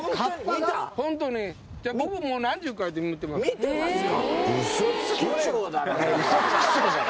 見てますか？